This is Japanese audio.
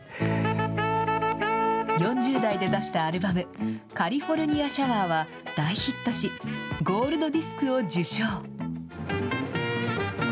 ４０代で出したアルバム、カリフォルニア・シャワーは、大ヒットし、ゴールドディスクを受賞。